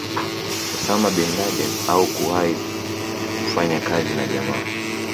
Osama Bin Laden au kuwahi kufanya kazi na jamaa